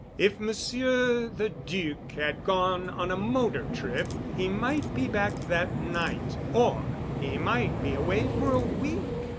If Monsieur the Duc had gone on a motor trip he might be back that night, or he might be away for a week.